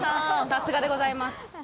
さすがでございます。